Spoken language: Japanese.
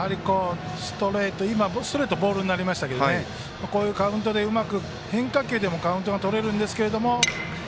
今、ストレートがボールになりましたがこういうカウントで、変化球でもカウントがとれますが。